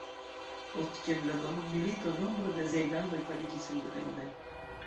Post kiam la dua mondmilito, nombro de aziaj landoj fariĝis sendependaj.